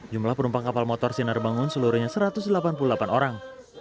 jumlah penumpang kapal motor sinar bangun seluruhnya satu ratus delapan puluh delapan orang